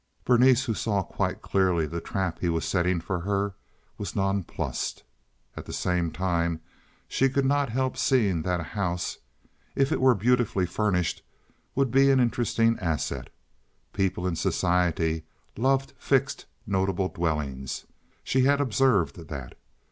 Berenice, who saw quite clearly the trap he was setting for her, was nonplussed. At the same time she could not help seeing that a house, if it were beautifully furnished, would be an interesting asset. People in society loved fixed, notable dwellings; she had observed that.